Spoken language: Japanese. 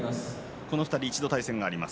この２人、対戦があります。